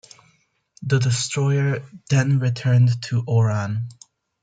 The destroyers then returned to Oran.